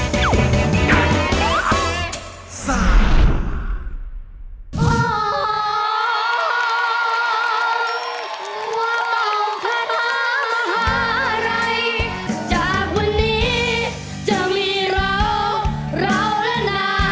เป้าขทะมหารัยจากวันนี้จะมีเราเราและนาย